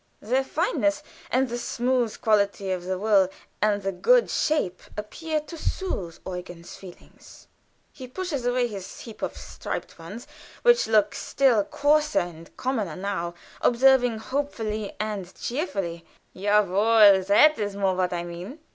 Their fineness, and the smooth quality of the wool, and the good shape appear to soothe Eugen's feelings. He pushes away his heap of striped ones, which look still coarser and commoner now, observing hopefully and cheerily: "Ja wohl! That is more what I mean."